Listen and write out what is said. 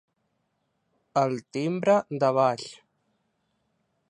El timbre de baix.